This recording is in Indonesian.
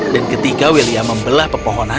dan ketika william membelah pepohonan